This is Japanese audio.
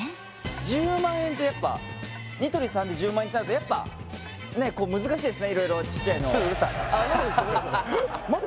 １０万円ってやっぱニトリさんで１０万円ってなるとやっぱ難しいですね色々ちっちゃいの何でですか？